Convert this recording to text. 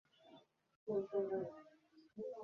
আমি মানবো না।